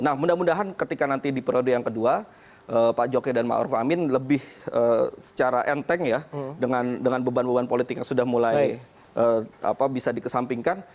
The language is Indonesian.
nah mudah mudahan ketika nanti di periode yang kedua pak jokowi dan ⁇ maruf ⁇ amin lebih secara enteng ya dengan beban beban politik yang sudah mulai bisa dikesampingkan